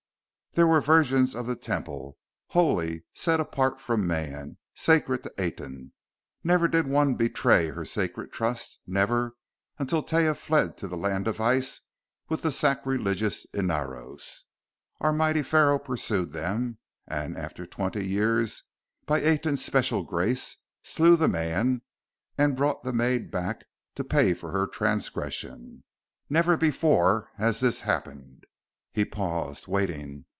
"There were virgins of the Temple, holy, set apart from man, sacred to Aten. Never did one betray her sacred trust never, until Taia fled to the land of ice with the sacrilegious Inaros. Our mighty Pharaoh pursued them, and after twenty years, by Aten's special grace, slew the man and brought the maid back to pay for her transgression. Never before has this happened." He paused, waiting.